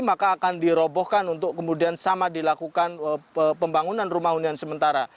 maka akan dirobohkan untuk kemudian sama dilakukan pembangunan rumah hunian sementara